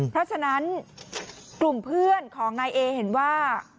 เพราะฉะนั้นกลุ่มเพื่อนของนายเอเห็นว่า